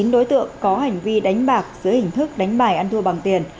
chín đối tượng có hành vi đánh bạc dưới hình thức đánh bài ăn thua bằng tiền